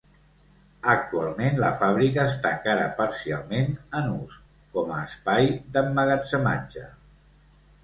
Actualment la fàbrica està encara parcialment en ús com a espai d'emmagatzematge.